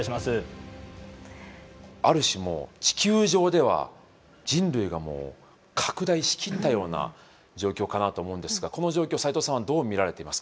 ある種もう地球上では人類が拡大し切ったような状況かなと思うんですがこの状況を斎藤さんはどう見られていますか？